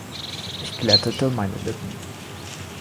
Ich glättete meine Lippen.